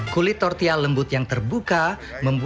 kulit tortilla lembutnya tapi tidak terlalu lembut